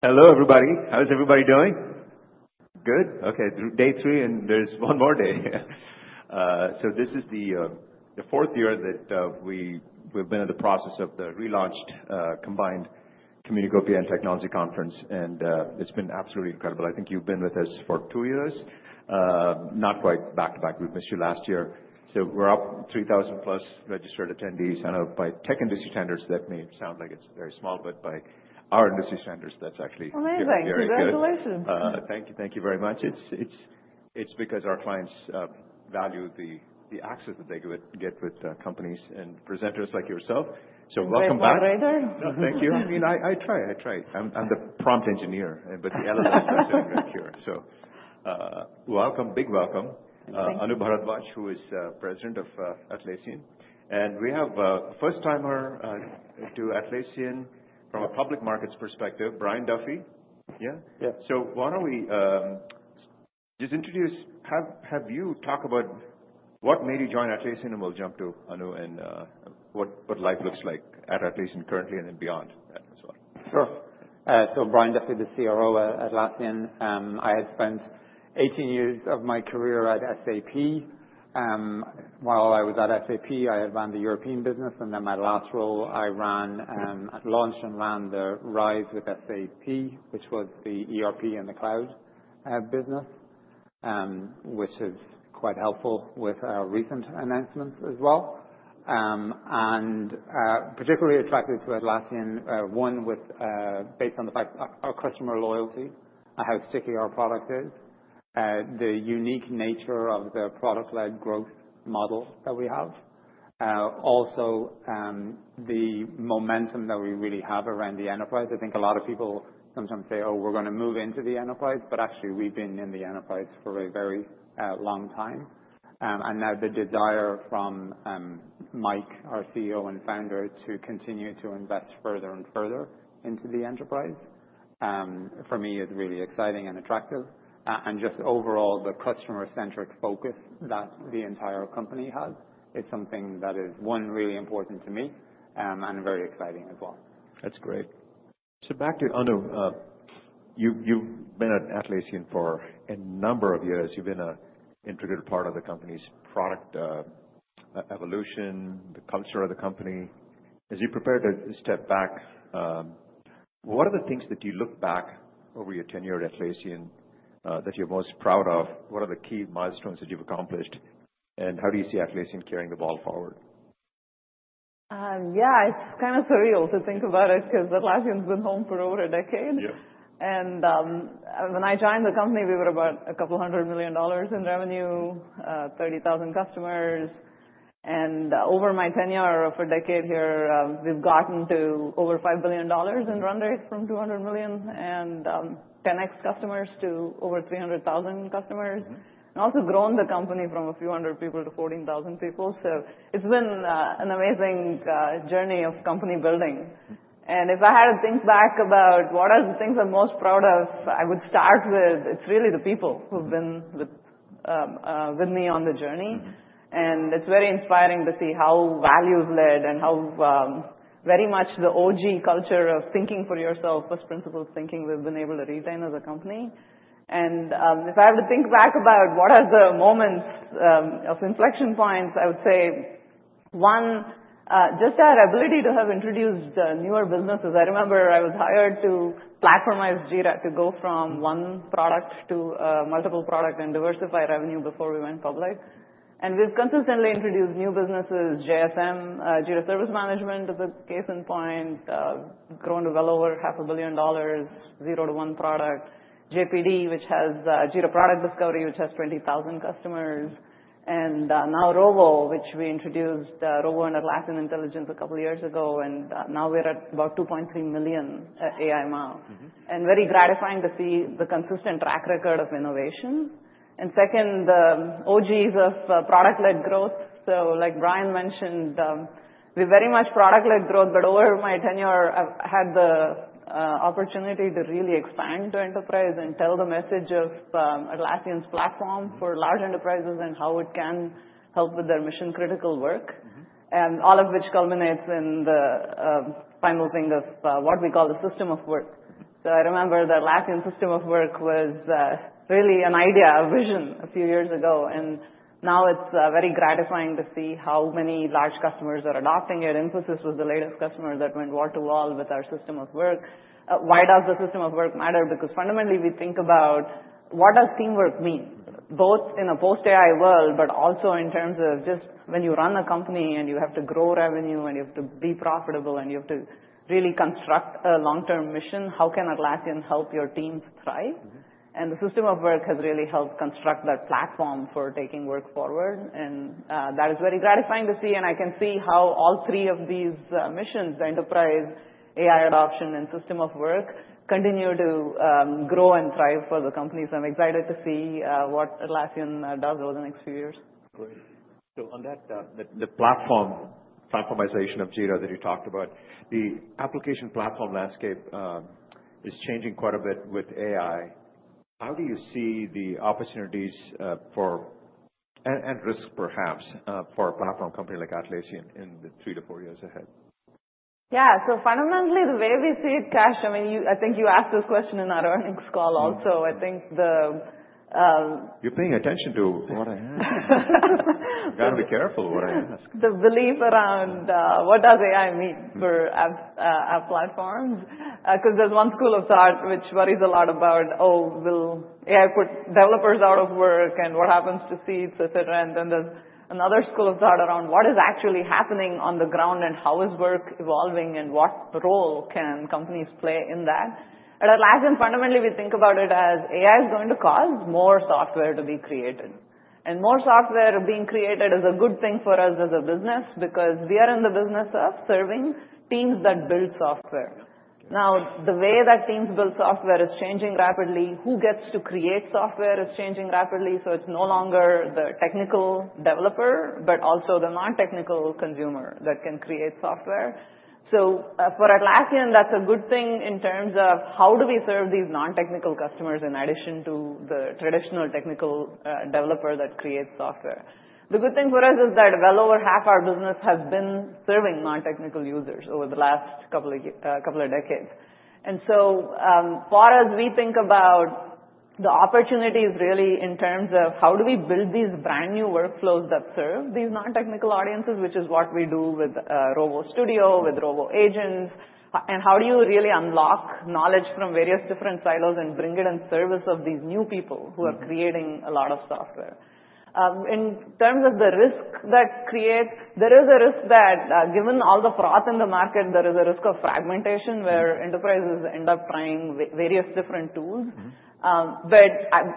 Hello, everybody. How is everybody doing? Good? Okay, day three, and there's one more day. So this is the fourth year that we've been in the process of the relaunched Combined Communacopia and Technology Conference, and it's been absolutely incredible. I think you've been with us for two years, not quite back to back. We missed you last year. So we're up 3,000+ registered attendees. I know by tech industry standards, that may sound like it's very small, but by our industry standards, that's actually a big year. Amazing. Congratulations. Thank you. Thank you very much. It's because our clients value the access that they get with companies and presenters like yourself so welcome back. You're the moderator? No, thank you. I mean, I try. I try. I'm the prompt engineer, but the elements are very accurate, so welcome, big welcome, Anu Bharadwaj, who is President of Atlassian, and we have a first-timer to Atlassian from a public markets perspective, Brian Duffy. Yeah? Yeah. So, why don't we just introduce? Have you talked about what made you join Atlassian, and we'll jump to Anu and what life looks like at Atlassian currently, and then beyond as well. Sure. So Brian Duffy is the CRO at Atlassian. I had spent 18 years of my career at SAP. While I was at SAP, I had run the European business. And then my last role, I ran the launch and ran the RISE with SAP, which was the ERP and the Cloud business, which is quite helpful with our recent announcements as well. And particularly attracted to Atlassian, one with, based on the fact of our customer loyalty, how sticky our product is, the unique nature of the product-led growth model that we have, also the momentum that we really have around the enterprise. I think a lot of people sometimes say, "Oh, we're going to move into the enterprise." But actually, we've been in the enterprise for a very long time. And now the desire from Mike, our CEO and founder, to continue to invest further and further into the enterprise, for me, is really exciting and attractive. And just overall, the customer-centric focus that the entire company has is something that is, one, really important to me and very exciting as well. That's great. So back to Anu. You've been at Atlassian for a number of years. You've been an integral part of the company's product evolution, the culture of the company. As you prepare to step back, what are the things that you look back over your tenure at Atlassian that you're most proud of? What are the key milestones that you've accomplished? And how do you see Atlassian carrying the ball forward? Yeah, it's kind of surreal to think about it because Atlassian's been home for over a decade. And when I joined the company, we were about $200 million in revenue, 30,000 customers. And over my tenure of a decade here, we've gotten to over $5 billion in run rate from $200 million and 10x customers to over 300,000 customers. And also grown the company from a few hundred people to 14,000 people. So it's been an amazing journey of company building. And if I had to think back about what are the things I'm most proud of, I would start with it's really the people who've been with me on the journey. And it's very inspiring to see how values-led and how very much the OG culture of thinking for yourself, first-principles thinking, we've been able to retain as a company. If I have to think back about what are the moments of inflection points, I would say, one, just our ability to have introduced newer businesses. I remember I was hired to platformize Jira to go from one product to multiple products and diversify revenue before we went public. We've consistently introduced new businesses: JSM, Jira Service Management is a case in point, grown to well over $500 million, zero-to-one product. JPD, which is Jira Product Discovery, which has 20,000 customers. And now Rovo, which we introduced Rovo and Atlassian Intelligence a couple of years ago. And now we're at about $2.3 million AI MAU. And very gratifying to see the consistent track record of innovation. Second, the OGs of product-led growth. So like Brian mentioned, we're very much product-led growth. But over my tenure, I've had the opportunity to really expand the enterprise and tell the message of Atlassian's platform for large enterprises and how it can help with their mission-critical work, all of which culminates in the final thing of what we call the System of Work. So I remember the Atlassian System of Work was really an idea, a vision a few years ago. And now it's very gratifying to see how many large customers are adopting it. Infosys was the latest customer that went wall-to-wall with our System of Work. Why does the System of Work matter? Because fundamentally, we think about what does teamwork mean, both in a post-AI world, but also in terms of just when you run a company and you have to grow revenue and you have to be profitable and you have to really construct a long-term mission, how can Atlassian help your teams thrive? And the System of Work has really helped construct that platform for taking work forward. And that is very gratifying to see. And I can see how all three of these missions, the enterprise, AI adoption, and System of Work, continue to grow and thrive for the company. So I'm excited to see what Atlassian does over the next few years. Great. So on that, the platformization of Jira that you talked about, the application platform landscape is changing quite a bit with AI. How do you see the opportunities and risks, perhaps, for a platform company like Atlassian in the three to four years ahead? Yeah. So fundamentally, the way we see it, Kash, I mean, I think you asked this question in our earnings call also. I think the. You're paying attention to what I ask. I've got to be careful what I ask. The belief around what does AI mean for our platforms. Because there's one school of thought which worries a lot about, oh, will AI put developers out of work and what happens to seats, et cetera. And then there's another school of thought around what is actually happening on the ground and how is work evolving and what role can companies play in that. At Atlassian, fundamentally, we think about it as AI is going to cause more software to be created. And more software being created is a good thing for us as a business because we are in the business of serving teams that build software. Now, the way that teams build software is changing rapidly. Who gets to create software is changing rapidly. So it's no longer the technical developer, but also the non-technical consumer that can create software. So for Atlassian, that's a good thing in terms of how do we serve these non-technical customers in addition to the traditional technical developer that creates software. The good thing for us is that well over half our business has been serving non-technical users over the last couple of decades. And so for us, we think about the opportunities really in terms of how do we build these brand new workflows that serve these non-technical audiences, which is what we do with Rovo Studio, with Rovo Agents. And how do you really unlock knowledge from various different silos and bring it in service of these new people who are creating a lot of software? In terms of the risk that creates, there is a risk that given all the froth in the market, there is a risk of fragmentation where enterprises end up trying various different tools. But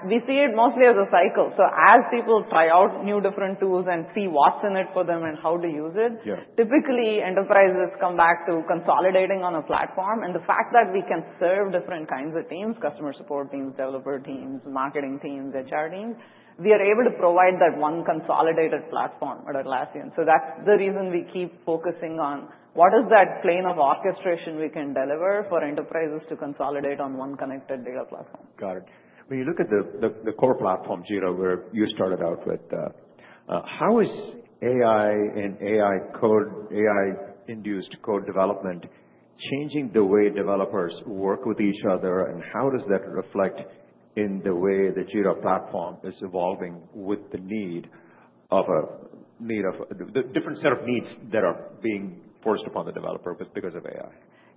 we see it mostly as a cycle. So as people try out new different tools and see what's in it for them and how to use it, typically, enterprises come back to consolidating on a platform. And the fact that we can serve different kinds of teams: customer support teams, developer teams, marketing teams, HR teams, we are able to provide that one consolidated platform at Atlassian. So that's the reason we keep focusing on what is that plane of orchestration we can deliver for enterprises to consolidate on one connected data platform. Got it. When you look at the core platform, Jira, where you started out with, how is AI and AI-code, AI-induced code development changing the way developers work with each other? And how does that reflect in the way the Jira platform is evolving with the need of a different set of needs that are being forced upon the developer because of AI?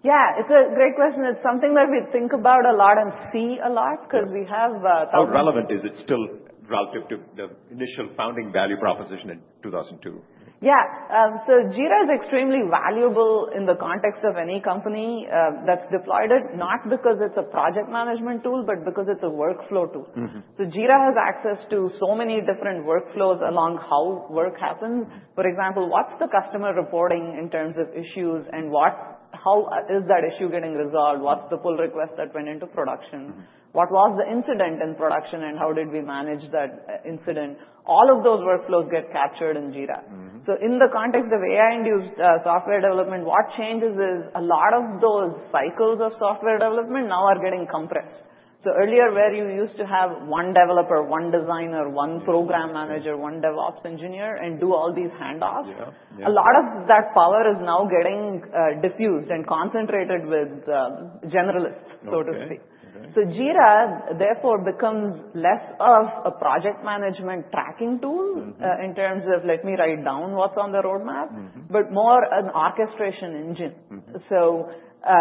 Yeah, it's a great question. It's something that we think about a lot and see a lot because we have thousands. How relevant is it still relative to the initial founding value proposition in 2002? Yeah. So Jira is extremely valuable in the context of any company that's deployed it, not because it's a project management tool, but because it's a workflow tool. So Jira has access to so many different workflows along how work happens. For example, what's the customer reporting in terms of issues? And how is that issue getting resolved? What's the pull request that went into production? What was the incident in production? And how did we manage that incident? All of those workflows get captured in Jira. So in the context of AI-induced software development, what changes is a lot of those cycles of software development now are getting compressed. So earlier, where you used to have one developer, one designer, one program manager, one DevOps engineer, and do all these handoffs, a lot of that power is now getting diffused and concentrated with generalists, so to speak. So Jira, therefore, becomes less of a project management tracking tool in terms of, let me write down what's on the roadmap, but more an orchestration engine. So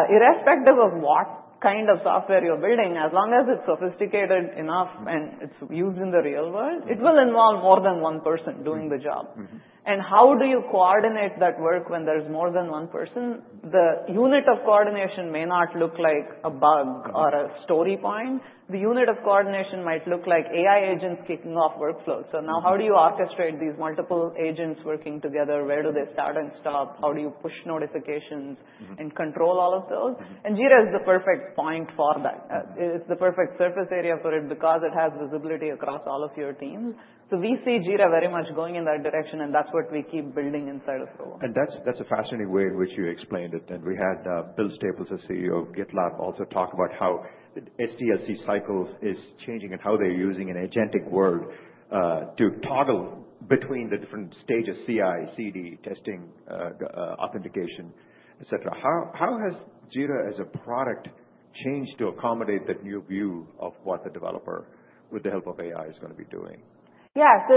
irrespective of what kind of software you're building, as long as it's sophisticated enough and it's used in the real world, it will involve more than one person doing the job. And how do you coordinate that work when there's more than one person? The unit of coordination may not look like a bug or a story point. The unit of coordination might look like AI agents kicking off workflows. So now how do you orchestrate these multiple agents working together? Where do they start and stop? How do you push notifications and control all of those? And Jira is the perfect point for that. It's the perfect surface area for it because it has visibility across all of your teams. So we see Jira very much going in that direction. And that's what we keep building inside of Rovo. That's a fascinating way in which you explained it. We had Bill Staples, the CEO of GitLab, also talk about how SDLC cycles is changing and how they're using an agentic world to toggle between the different stages: CI/CD, testing, authentication, et cetera. How has Jira as a product changed to accommodate that new view of what the developer, with the help of AI, is going to be doing? Yeah. So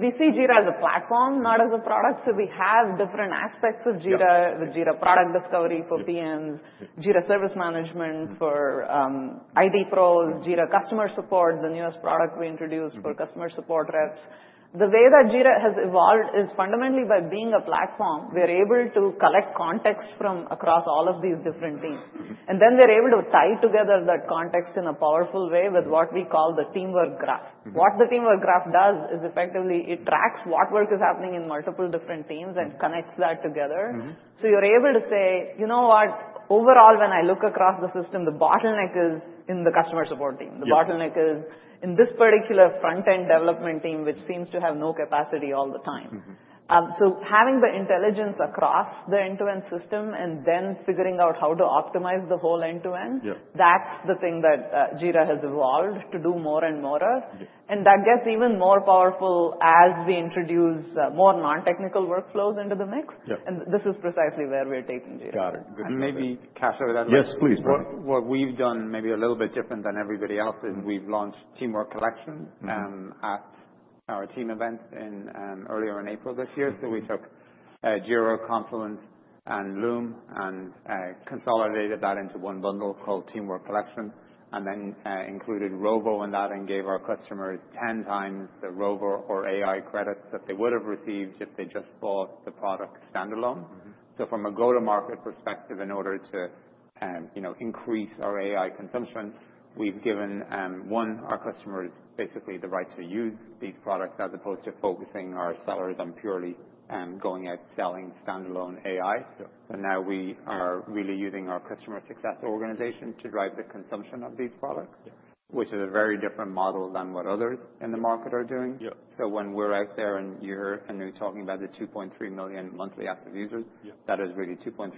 we see Jira as a platform, not as a product. So we have different aspects of Jira, with Jira Product Discovery for PMs, Jira Service Management for IT pros, Jira Customer Support, the newest product we introduced for customer support reps. The way that Jira has evolved is fundamentally by being a platform. We're able to collect context from across all of these different teams. And then we're able to tie together that context in a powerful way with what we call the Teamwork Graph. What the Teamwork Graph does is effectively it tracks what work is happening in multiple different teams and connects that together. So you're able to say, you know what, overall, when I look across the system, the bottleneck is in the customer support team. The bottleneck is in this particular front-end development team, which seems to have no capacity all the time. So having the intelligence across the end-to-end system and then figuring out how to optimize the whole end-to-end, that's the thing that Jira has evolved to do more and more of. And that gets even more powerful as we introduce more non-technical workflows into the mix. And this is precisely where we're taking Jira. Got it. And maybe, Kash, over that line. Yes, please. What we've done maybe a little bit different than everybody else is we've launched Teamwork Collection at our team event earlier in April this year. So we took Jira, Confluence, and Loom and consolidated that into one bundle called Teamwork Collection. And then included Rovo in that and gave our customers 10 times the Rovo or AI credits that they would have received if they just bought the product standalone. So from a go-to-market perspective, in order to increase our AI consumption, we've given, one, our customers basically the right to use these products as opposed to focusing our sellers on purely going out selling standalone AI. And now we are really using our customer success organization to drive the consumption of these products, which is a very different model than what others in the market are doing. So when we're out there and you're talking about the 2.3 million monthly active users, that is really 2.3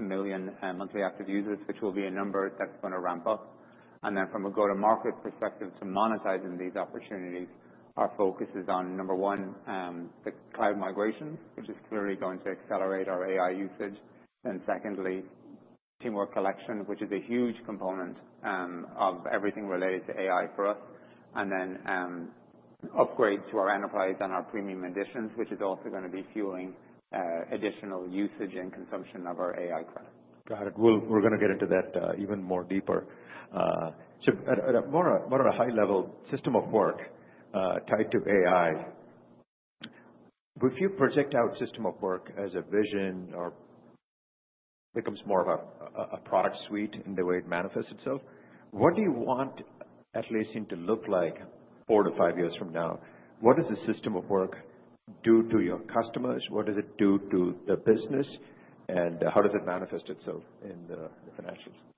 million monthly active users, which will be a number that's going to ramp up. And then from a go-to-market perspective to monetizing these opportunities, our focus is on, number one, the cloud migration, which is clearly going to accelerate our AI usage. And secondly, Teamwork Collection, which is a huge component of everything related to AI for us. And then upgrade to our enterprise and our premium editions, which is also going to be fueling additional usage and consumption of our AI credit. Got it. We're going to get into that even more deeper. So more on a high-level System of Work tied to AI. If you project out System of Work as a vision or becomes more of a product suite in the way it manifests itself, what do you want Atlassian to look like four to five years from now? What does the System of Work do to your customers? What does it do to the business? And how does it manifest itself in the financials?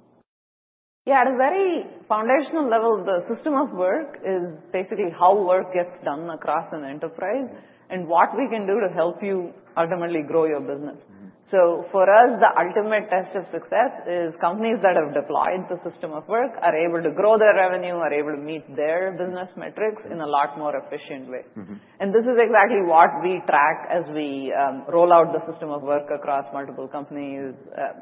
Yeah. At a very foundational level, the System of Work is basically how work gets done across an enterprise and what we can do to help you ultimately grow your business. So for us, the ultimate test of success is companies that have deployed the System of Work are able to grow their revenue, are able to meet their business metrics in a lot more efficient way. And this is exactly what we track as we roll out the System of Work across multiple companies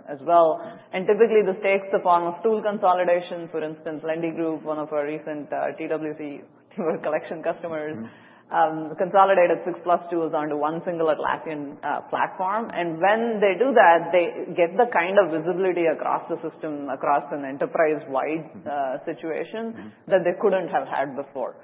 as well. And typically, this takes the form of tool consolidation. For instance, Lendi Group, one of our recent Teamwork Collection customers, consolidated six-plus tools onto one single Atlassian platform. And when they do that, they get the kind of visibility across the system, across an enterprise-wide situation that they couldn't have had before.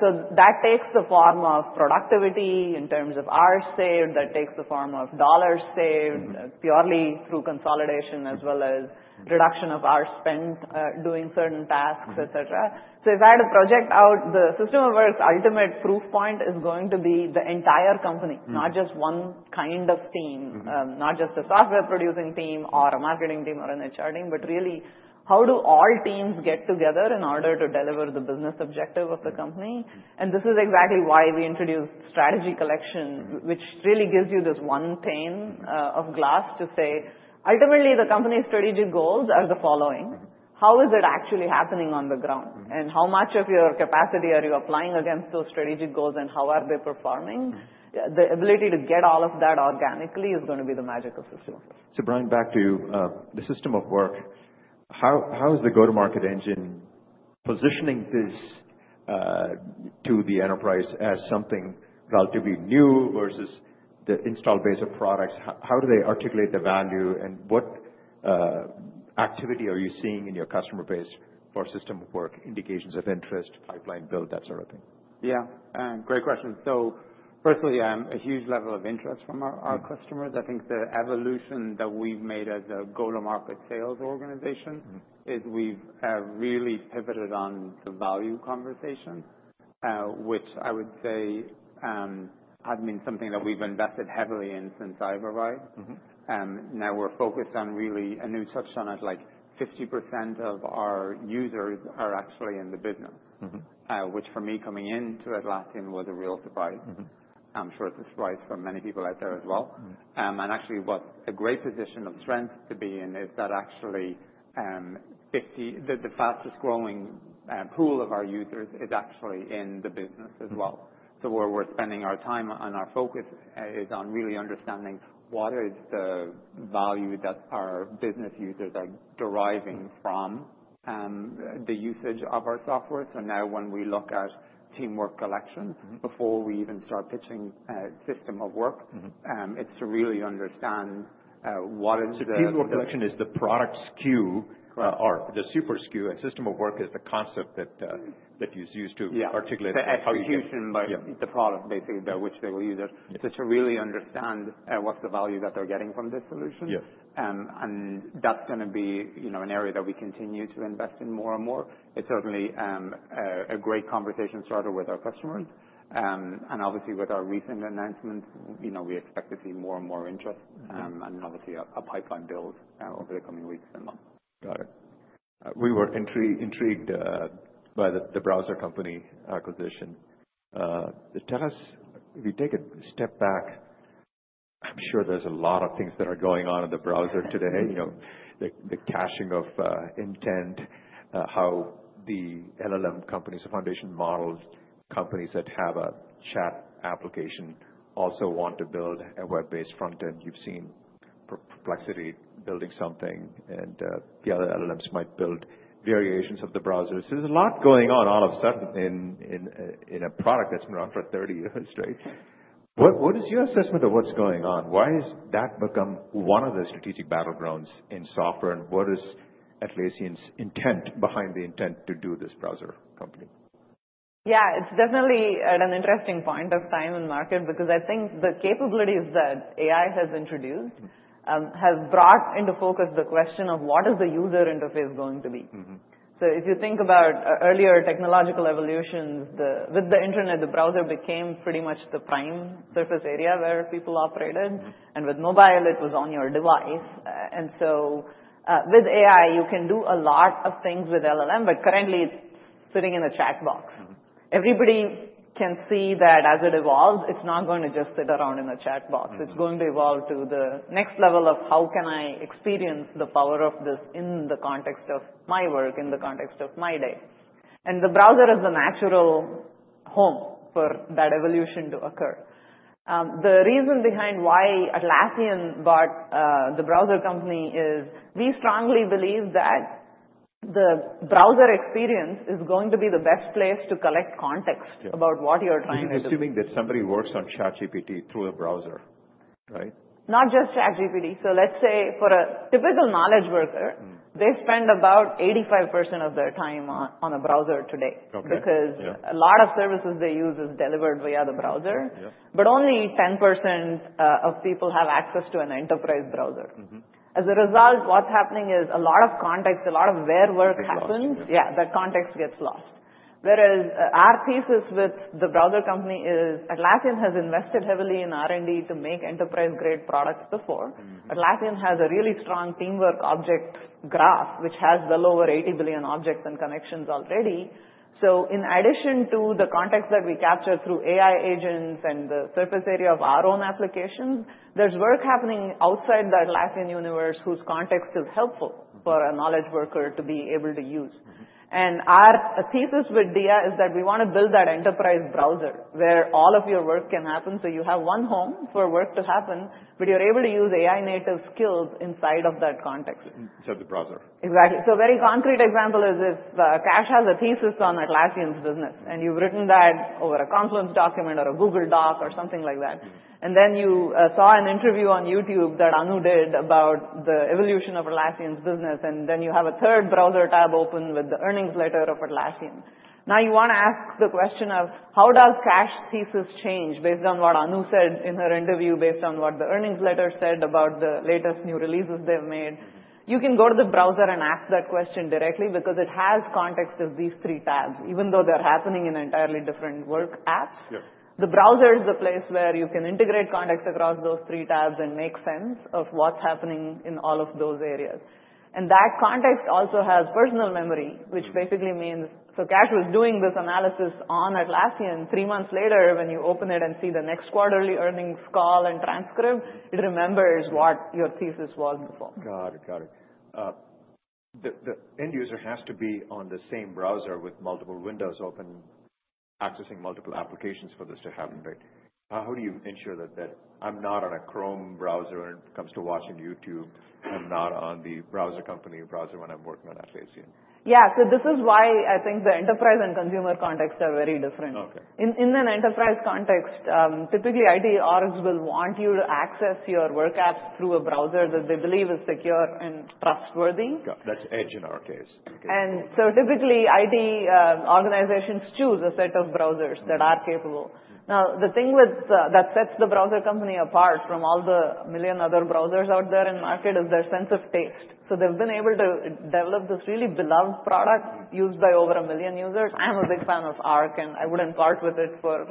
So that takes the form of productivity in terms of hours saved. That takes the form of dollars saved purely through consolidation as well as reduction of our spend doing certain tasks, et cetera. So if I had to project out the System of Work, the ultimate proof point is going to be the entire company, not just one kind of team, not just a software-producing team or a marketing team or an HR team, but really how do all teams get together in order to deliver the business objective of the company? And this is exactly why we introduced Strategy Collection, which really gives you this one pane of glass to say, ultimately, the company's strategic goals are the following. How is it actually happening on the ground? And how much of your capacity are you applying against those strategic goals? And how are they performing? The ability to get all of that organically is going to be the magic of the system. So Brian, back to the System of Work. How is the go-to-market engine positioning this to the enterprise as something relatively new versus the installed base of products? How do they articulate the value? And what activity are you seeing in your customer base for System of Work, indications of interest, pipeline build, that sort of thing? Yeah. Great question. So firstly, a huge level of interest from our customers. I think the evolution that we've made as a go-to-market sales organization is we've really pivoted on the value conversation, which I would say has been something that we've invested heavily in since I've arrived. Now we're focused on really a new touchdown at like 50% of our users are actually in the business, which for me, coming into Atlassian, was a real surprise. I'm sure it's a surprise for many people out there as well, and actually, what a great position of strength to be in is that actually the fastest growing pool of our users is actually in the business as well, so where we're spending our time and our focus is on really understanding what is the value that our business users are deriving from the usage of our software. So now when we look at Teamwork Collection, before we even start pitching System of Work, it's to really understand what is the. Teamwork Collection is the product SKU or the super SKU. System of Work is the concept that you use to articulate. Execution by the product, basically, by which they will use it. So to really understand what's the value that they're getting from this solution. And that's going to be an area that we continue to invest in more and more. It's certainly a great conversation starter with our customers. And obviously, with our recent announcements, we expect to see more and more interest and obviously a pipeline build over the coming weeks and months. Got it. We were intrigued by The Browser Company acquisition. Tell us, if you take a step back, I'm sure there's a lot of things that are going on in the browser today, the caching of intent, how the LLM companies, the foundation models, companies that have a chat application also want to build a web-based front-end. You've seen Perplexity building something. And the other LLMs might build variations of the browsers. There's a lot going on all of a sudden in a product that's been around for 30 years, right? What is your assessment of what's going on? Why has that become one of the strategic battlegrounds in software? And what is Atlassian's intent behind the intent to do this Browser Company? Yeah. It's definitely at an interesting point of time in market because I think the capabilities that AI has introduced have brought into focus the question of what is the user interface going to be, so if you think about earlier technological evolutions, with the internet, the browser became pretty much the prime surface area where people operated, and with mobile, it was on your device, and so with AI, you can do a lot of things with LLM, but currently, it's sitting in a chat box. Everybody can see that as it evolves, it's not going to just sit around in a chat box. It's going to evolve to the next level of how can I experience the power of this in the context of my work, in the context of my day, and the browser is the natural home for that evolution to occur. The reason behind why Atlassian bought The Browser Company is we strongly believe that the browser experience is going to be the best place to collect context about what you're trying to do. Assuming that somebody works on ChatGPT through a browser, right? Not just ChatGPT. So let's say for a typical knowledge worker, they spend about 85% of their time on a browser today because a lot of services they use are delivered via the browser. But only 10% of people have access to an enterprise browser. As a result, what's happening is a lot of context, a lot of where work happens, yeah, that context gets lost. Whereas our thesis with the Browser Company is Atlassian has invested heavily in R&D to make enterprise-grade products before. Atlassian has a really strong Teamwork Graph, which has well over 80 billion objects and connections already. So in addition to the context that we capture through AI agents and the surface area of our own applications, there's work happening outside the Atlassian universe whose context is helpful for a knowledge worker to be able to use. Our thesis with Arc is that we want to build that enterprise browser where all of your work can happen. You have one home for work to happen, but you're able to use AI-native skills inside of that context. Inside the browser. Exactly. So a very concrete example is if Kash has a thesis on Atlassian's business and you've written that over a Confluence document or a Google Doc or something like that. Then you saw an interview on YouTube that Anu did about the evolution of Atlassian's business. Then you have a third browser tab open with the earnings letter of Atlassian. Now you want to ask the question of how does Kash's thesis change based on what Anu said in her interview, based on what the earnings letter said about the latest new releases they've made? You can go to the browser and ask that question directly because it has context as these three tabs. Even though they're happening in entirely different work apps, the browser is the place where you can integrate context across those three tabs and make sense of what's happening in all of those areas, and that context also has personal memory, which basically means Kash was doing this analysis on Atlassian three months later, when you open it and see the next quarterly earnings call and transcript, it remembers what your thesis was before. Got it. Got it. The end user has to be on the same browser with multiple windows open, accessing multiple applications for this to happen, right? How do you ensure that I'm not on a Chrome browser when it comes to watching YouTube and I'm not on The Browser Company browser when I'm working on Atlassian? Yeah, so this is why I think the enterprise and consumer contexts are very different. In an enterprise context, typically IT orgs will want you to access your work apps through a browser that they believe is secure and trustworthy. That's Edge in our case. And so typically IT organizations choose a set of browsers that are capable. Now the thing that sets The Browser Company apart from all the million other browsers out there in market is their sense of taste. So they've been able to develop this really beloved product used by over a million users. I'm a big fan of Arc, and I wouldn't part with it for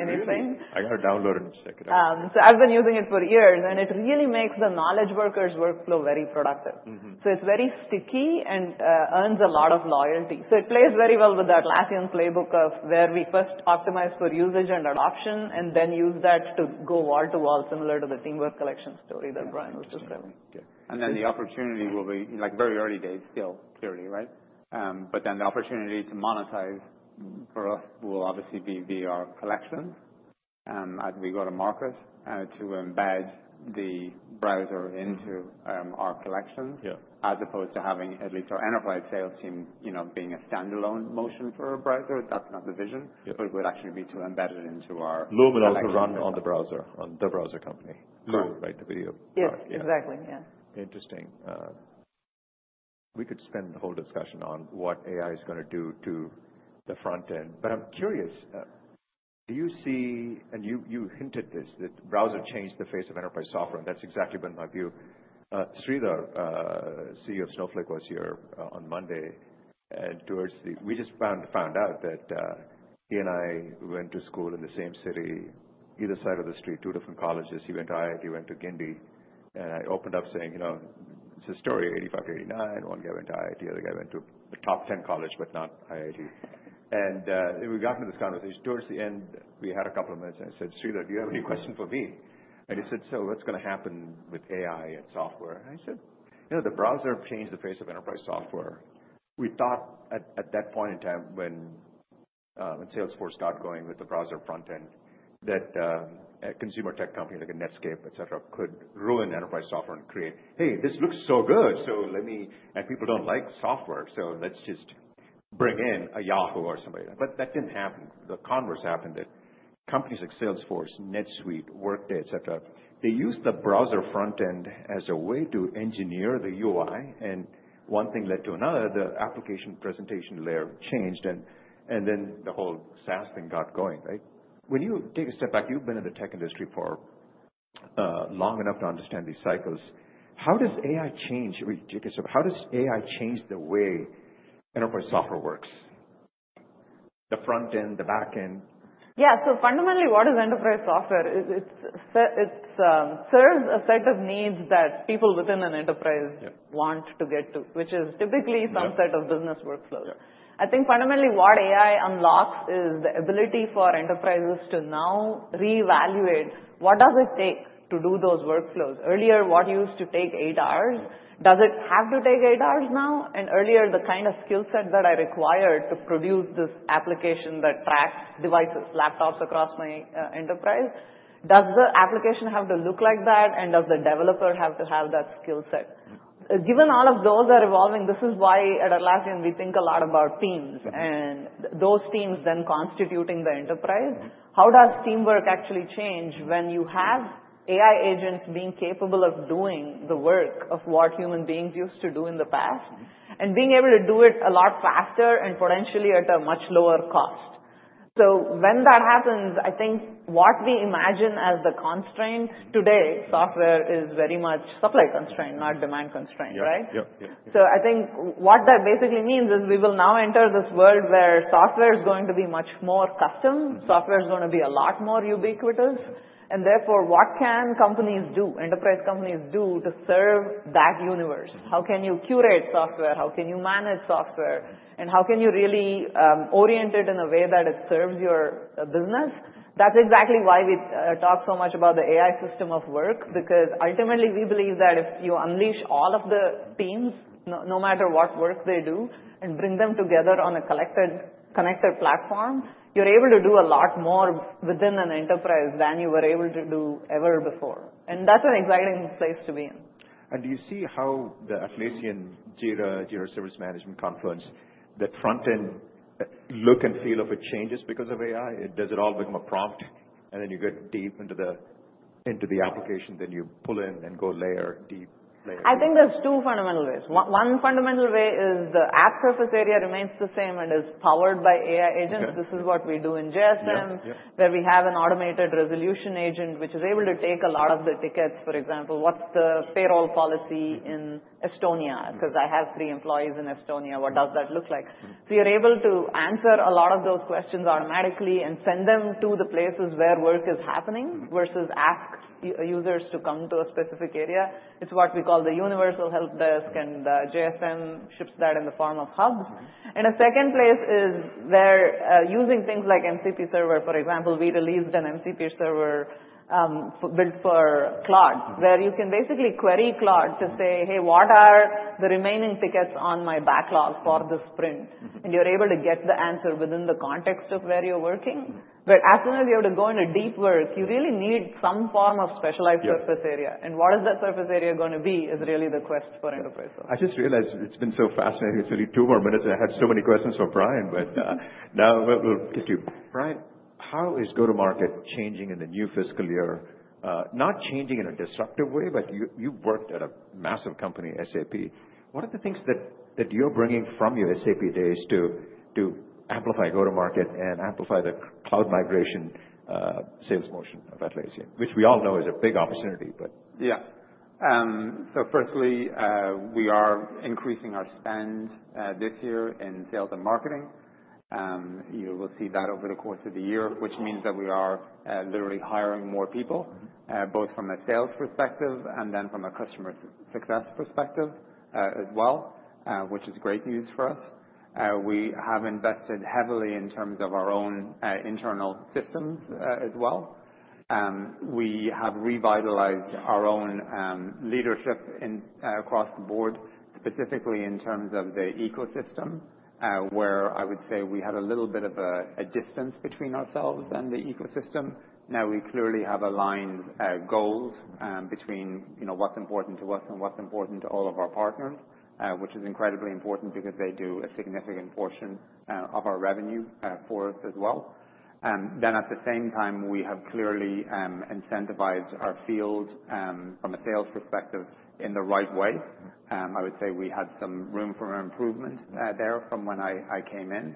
anything. I got to download it and check it out. So I've been using it for years. And it really makes the knowledge workers' workflow very productive. So it's very sticky and earns a lot of loyalty. So it plays very well with the Atlassian playbook of where we first optimize for usage and adoption and then use that to go wall to wall, similar to the Teamwork Collection story that Brian was describing. Then the opportunity will be very early days still, clearly, right? Then the opportunity to monetize for us will obviously be via our collections as we go to market to embed the browser into our collections as opposed to having at least our enterprise sales team being a standalone motion for a browser. That's not the vision. It would actually be to embed it into our. Loom and also run on the browser on The Browser Company. Loom. Right. Yeah. Exactly. Yeah. Interesting. We could spend the whole discussion on what AI is going to do to the front end. But I'm curious, do you see and you hinted this that browser changed the face of enterprise software. And that's exactly been my view. Sridhar, CEO of Snowflake, was here on Monday. And we just found out that he and I went to school in the same city, either side of the street, two different colleges. He went to IIT, I went to Guindy. And I opened up saying, you know, it's a story of 1985-1989. One guy went to IIT, the other guy went to the top 10 college, but not IIT. And we got into this conversation. Towards the end, we had a couple of minutes. I said, "Sridhar, do you have any question for me?" He said, "So what's going to happen with AI and software?" I said, "You know, the browser changed the face of enterprise software." We thought at that point in time when Salesforce got going with the browser front end that a consumer tech company like Netscape, et cetera, could ruin enterprise software and create, "Hey, this looks so good. And people don't like software. So let's just bring in a Yahoo or somebody." That didn't happen. The converse happened that companies like Salesforce, NetSuite, Workday, et cetera, they used the browser front end as a way to engineer the UI. One thing led to another. The application presentation layer changed. Then the whole SaaS thing got going, right? When you take a step back, you've been in the tech industry for long enough to understand these cycles. How does AI change? How does AI change the way enterprise software works? The front end, the back end. Yeah, so fundamentally, what is enterprise software? It serves a set of needs that people within an enterprise want to get to, which is typically some set of business workflows. I think fundamentally what AI unlocks is the ability for enterprises to now reevaluate what does it take to do those workflows. Earlier, what used to take eight hours, does it have to take eight hours now. And earlier, the kind of skill set that I required to produce this application that tracks devices, laptops across my enterprise, does the application have to look like that? And does the developer have to have that skill set? Given all of those are evolving, this is why at Atlassian we think a lot about teams, and those teams then constituting the enterprise. How does teamwork actually change when you have AI agents being capable of doing the work of what human beings used to do in the past and being able to do it a lot faster and potentially at a much lower cost? So when that happens, I think what we imagine as the constraint today, software is very much supply constraint, not demand constraint, right? Yeah. So I think what that basically means is we will now enter this world where software is going to be much more custom. Software is going to be a lot more ubiquitous. And therefore, what can companies do, enterprise companies do to serve that universe? How can you curate software? How can you manage software? And how can you really orient it in a way that it serves your business? That's exactly why we talk so much about the AI System of Work because ultimately we believe that if you unleash all of the teams, no matter what work they do, and bring them together on a connected platform, you're able to do a lot more within an enterprise than you were able to do ever before. And that's an exciting place to be in. And do you see how the Atlassian, Jira, Jira Service Management, Confluence, that front end look and feel of it changes because of AI? Does it all become a prompt? And then you get deep into the application, then you pull in and go layer deep. I think there's two fundamental ways. One fundamental way is the app surface area remains the same and is powered by AI agents. This is what we do in JSM, where we have an automated resolution agent which is able to take a lot of the tickets. For example, what's the payroll policy in Estonia? Because I have three employees in Estonia. What does that look like? So you're able to answer a lot of those questions automatically and send them to the places where work is happening versus ask users to come to a specific area. It's what we call the universal help desk, and JSM ships that in the form of hubs. A second place is where using things like MCP server, for example, we released an MCP server built for Claude where you can basically query Claude to say, "Hey, what are the remaining tickets on my backlog for this sprint?" And you're able to get the answer within the context of where you're working. But as soon as you have to go into deep work, you really need some form of specialized surface area. And what is that surface area going to be is really the quest for enterprise software. I just realized it's been so fascinating. It's only two more minutes, and I had so many questions for Brian, but now we'll get to you. Brian, how is go-to-market changing in the new fiscal year? Not changing in a disruptive way, but you've worked at a massive company, SAP. What are the things that you're bringing from your SAP days to Amplify go-to-market and Amplify the cloud migration sales motion of Atlassian, which we all know is a big opportunity? Yeah, so firstly, we are increasing our spend this year in sales and marketing. You will see that over the course of the year, which means that we are literally hiring more people, both from a sales perspective and then from a customer success perspective as well, which is great news for us. We have invested heavily in terms of our own internal systems as well. We have revitalized our own leadership across the board, specifically in terms of the ecosystem, where I would say we had a little bit of a distance between ourselves and the ecosystem. Now we clearly have aligned goals between what's important to us and what's important to all of our partners, which is incredibly important because they do a significant portion of our revenue for us as well. Then at the same time, we have clearly incentivized our field from a sales perspective in the right way. I would say we had some room for improvement there from when I came in.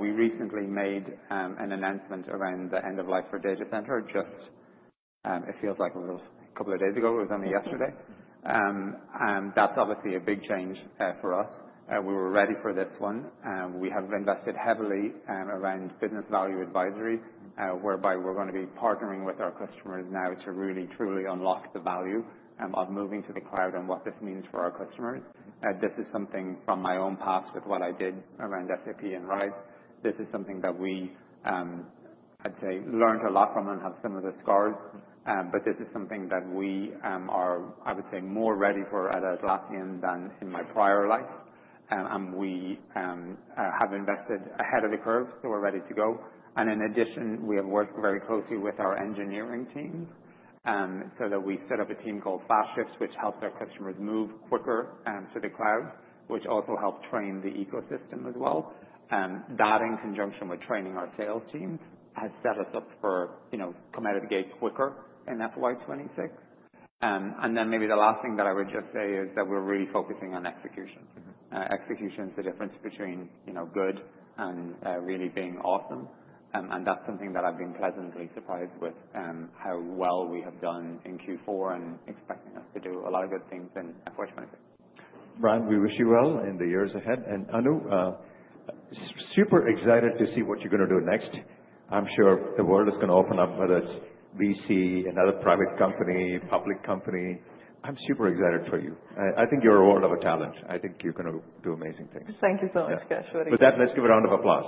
We recently made an announcement around the end of life for Data Center. It feels like a couple of days ago. It was only yesterday. That's obviously a big change for us. We were ready for this one. We have invested heavily around Business Value Advisory, whereby we're going to be partnering with our customers now to really, truly unlock the value of moving to the cloud and what this means for our customers. This is something from my own past with what I did around SAP and RISE. This is something that we had learned a lot from and have some of the scars. But this is something that we are, I would say, more ready for at Atlassian than in my prior life. And we have invested ahead of the curve, so we're ready to go. And in addition, we have worked very closely with our engineering teams so that we set up a team called FastShift, which helps our customers move quicker to the cloud, which also helps train the ecosystem as well. That, in conjunction with training our sales teams, has set us up for coming out of the gate quicker in FY 2026. And then maybe the last thing that I would just say is that we're really focusing on execution. Execution is the difference between good and really being awesome. And that's something that I've been pleasantly surprised with, how well we have done in Q4 and expecting us to do a lot of good things in FY 2026. Brian, we wish you well in the years ahead, and Anu, super excited to see what you're going to do next. I'm sure the world is going to open up, whether it's VC, another private company, public company. I'm super excited for you. I think you're a world-class talent. I think you're going to do amazing things. Thank you so much, Kash. With that, let's give a round of applause.